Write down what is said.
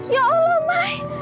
ya allah mai